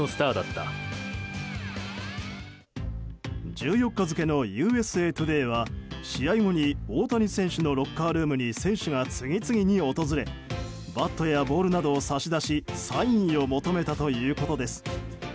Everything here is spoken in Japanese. １４日付のＵＳＡトゥデイは試合後に大谷選手のロッカールームに選手が次々に訪れバットやボールなどを差し出し、サインを求めたということです。